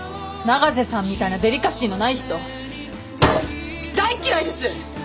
永瀬さんみたいなデリカシーのない人大っ嫌いです！